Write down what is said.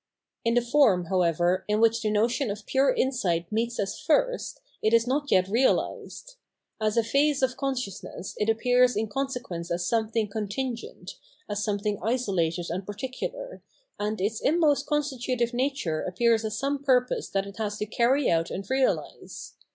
In the form, however, in which the notion of pure insight meets us first, it is not yet reahsed. As a phase of consciousness it appears in consequence as something contingent, as something isolated and par ticular, and its inmost constitutive nature appears as some purpose that it has to carry out and realise.